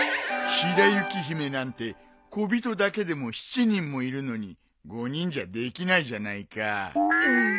白雪姫なんてこびとだけでも７人もいるのに５人じゃできないじゃないか。